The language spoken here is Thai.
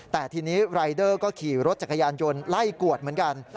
แต่ทีนี้รายเดอร์ก็ขี่รถจักรยานยนต์ไล่กวดเหมือนกัน